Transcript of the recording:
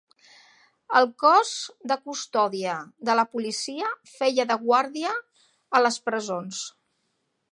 El Cos de Custòdia de la Policia feia de guardià a les presons.